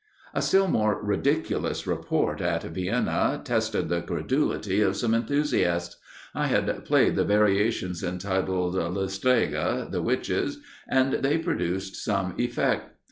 "A still more ridiculous report, at Vienna, tested the credulity of some enthusiasts. I had played the variations entitled "Le Streghe" (the Witches), and they produced some effect.